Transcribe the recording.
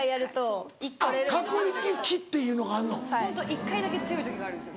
１回だけ強い時があるんです